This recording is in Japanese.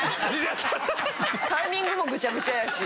タイミングもぐちゃぐちゃやし。